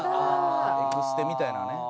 エクステみたいなね。